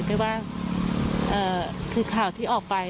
ไม่ว่าคือข่าวที่ออกไป